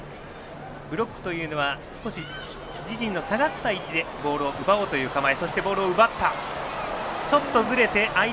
ブロックというのは自陣の少し下がった位置でボールを奪おうという構え。